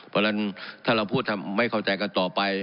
เพราะฉะนั้นถ้าเราพูดไม่เข้าใจกันต่อไป